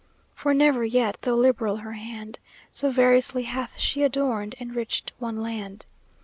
For never yet, though liberal her hand, So variously hath she adorned, enriched one land.